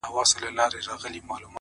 مه کوه گمان د ليوني گلي ـ